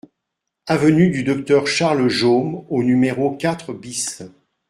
Avenue du Docteur Charles Jaume au numéro quatre BIS